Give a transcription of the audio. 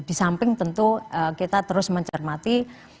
disamping tentu kita terus mencermati